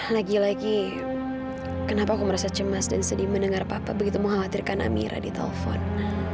lagi lagi kenapa aku merasa cemas dan sedih mendengar apa apa begitu mengkhawatirkan amira di telepon